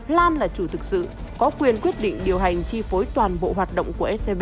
lan là chủ thực sự có quyền quyết định điều hành chi phối toàn bộ hoạt động của scb